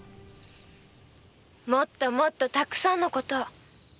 もっともっとたくさんのことを。